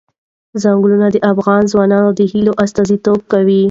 ځنګلونه د افغان ځوانانو د هیلو استازیتوب کوي.